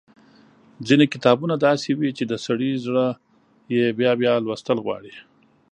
ځينې کتابونه داسې وي چې د سړي زړه يې بيا بيا لوستل غواړي۔